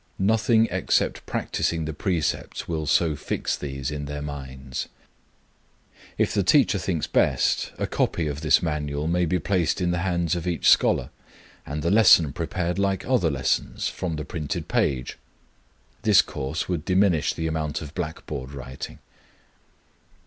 Nothing except practising the precepts will so fix these in their minds. If the teacher thinks best, a copy of this manual may be placed in the hands of each scholar, and the lesson prepared like other lessons, from the printed page. This course would diminish the amount of blackboard writing.